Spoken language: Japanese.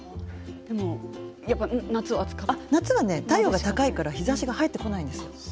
夏は太陽が高いから日ざしが入ってこないんですよ。